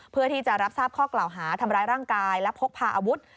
เพื่อที่จะรับทราบข้อกล่าวหาทำร้ายร่างกายและพกพาอาวุธ